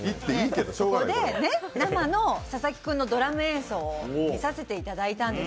生の佐々木君のドラム演奏を見させていただいたんです。